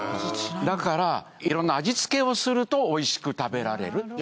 だからいろんな味付けをするとおいしく食べられる。